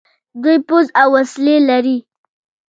دوی پوځ او وسلې لري.